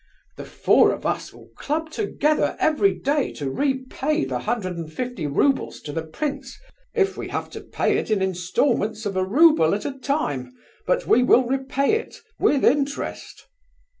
The four of us will club together every day to repay the hundred and fifty roubles to the prince, if we have to pay it in instalments of a rouble at a time, but we will repay it, with interest.